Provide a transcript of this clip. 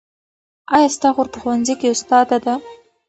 ایا ستا خور په ښوونځي کې استاده ده؟